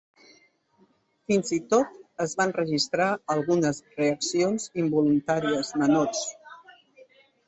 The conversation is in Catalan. Fins i tot es van registrar algunes reaccions involuntàries menors.